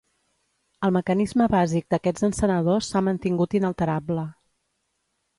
El mecanisme bàsic d'aquests encenedors s'ha mantingut inalterable.